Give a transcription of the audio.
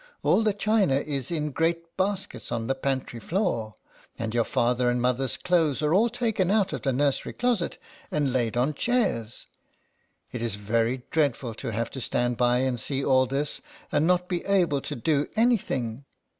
All the china is in great baskets on the pantry floor; and your father and mother's clothes are all taken out of the nur sery closet, and laid on chairs. It is very dreadful to have to stand by and see all this, and not be able to do any thing.